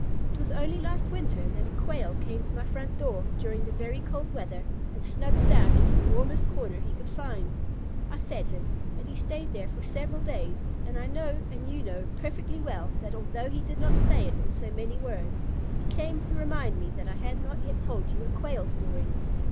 It was only last winter that a Quail came to my front door, during the very cold weather, and snuggled down into the warmest corner he could find. I fed him, and he stayed there for several days, and I know, and you know, perfectly well that although he did not say it in so many words, he came to remind me that I had not yet told you a Quail story.